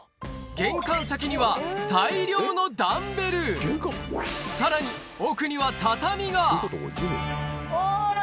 玄関先には大量のダンベルさらに奥には畳がおい！